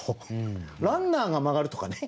「ランナーが曲がる」とかね